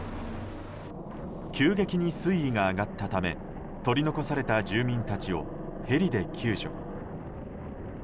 急激に水位が上がったため取り残された住民たちをヘリで救助。